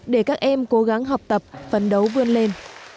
để các em cố gắng học tập phấn đấu vươn lên